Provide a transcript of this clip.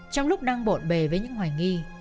trong lúc đang bộn bề với những hoài nghi